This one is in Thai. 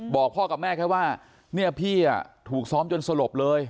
บอกพ่อกับแม่แค่ว่าเนี่ยพี่ถูกซ้อมจนสลบเลย